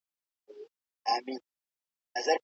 په مابينځ کي یو لوی او پراخ لوبغالی جوړېږي.